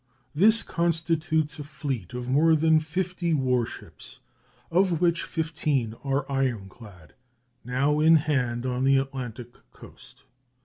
This constitutes a fleet of more than fifty war ships, of which fifteen are ironclad, now in hand on the Atlantic coast.